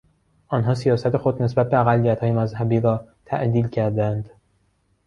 آنها سیاست خود نسبت به اقلیتهای مذهبی را تعدیل کردهاند.